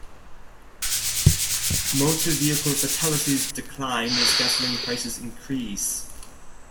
Motor vehicle fatalities decline as gasoline prices increase.